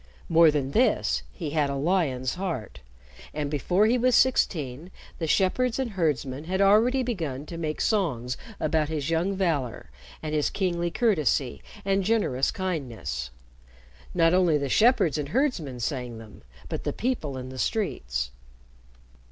More than this, he had a lion's heart, and before he was sixteen, the shepherds and herdsmen had already begun to make songs about his young valor, and his kingly courtesy, and generous kindness. Not only the shepherds and herdsmen sang them, but the people in the streets.